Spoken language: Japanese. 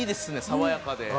爽やかで。